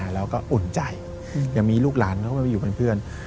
แล้วก็อุ่นใจยังมีลูกหลานเขาก็มาอยู่เป็นเพื่อน